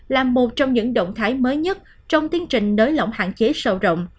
là một trong những động thái mới nhất trong tiến trình nới lỏng hạn chế sâu rộng